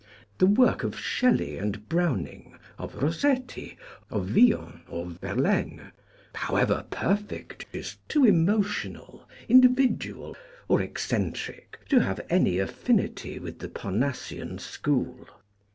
The work of Shelley and Browning, of Rossetti, or Villon or Verlaine, however perfect, is too emotional, individual or eccentric, to have any affinity with the Parnassian School.